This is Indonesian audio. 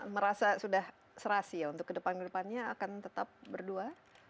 merasa sudah serasi ya untuk kedepan kedepannya akan tetap berdua